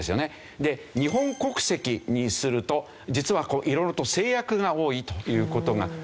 で日本国籍にすると実は色々と制約が多いという事がありまして。